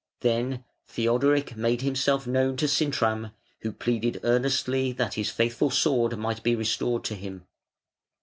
Then Theodoric made himself known to Sintram, who pleaded earnestly that his faithful sword might be restored to him.